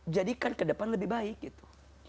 jadikan ke depan lebih baik gitu